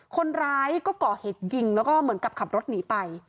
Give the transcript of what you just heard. คนร้ายก็ก่อเหตุยิงแล้วก็เหมือนกับขับรถหนีไป